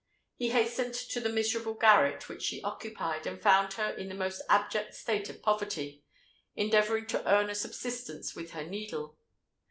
He hastened to the miserable garret which she occupied, and found her in the most abject state of poverty—endeavouring to earn a subsistence with her needle.